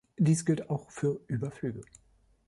Dies gilt auch für Überflüge.